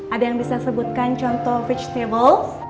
ada yang bisa sebutkan contoh vegetable